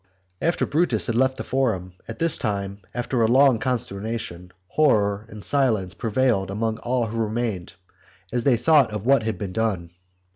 VII. After Brutus had left the forum at this time, for a long while consternation, horror, and silence prevailed among all who remained, as they thought of what had been done.